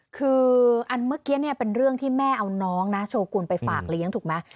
คืออันเมื่อกี้เนี่ยเป็นเรื่องที่แม่เอาน้องนะโชกุลไปฝากเลี้ยงถูกไหม